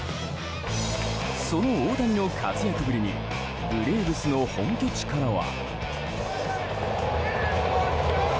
その大谷の活躍ぶりにブレーブスの本拠地からは。